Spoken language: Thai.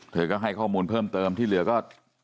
เธอก็ให้ข้อมูลเพิ่มเติมที่เหลือก็